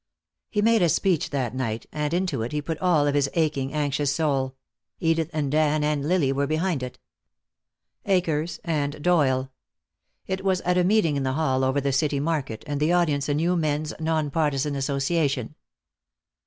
He made a speech that night, and into it he put all of his aching, anxious soul; Edith and Dan and Lily were behind it. Akers and Doyle. It was at a meeting in the hall over the city market, and the audience a new men's non partisan association.